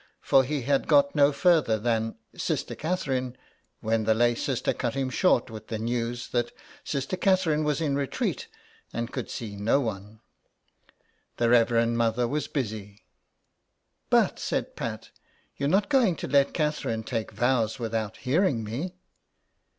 For he had got no further than '^ Sister Catherine," when the lay sister cut him short with the news that Sister Catherine was in retreat, and could see no one. The Reverend Mother was busy. " But," said Pat, " you're not going to let Catherine take vows without hearing me.''